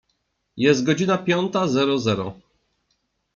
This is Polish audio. Jest godzina piąta zero zero.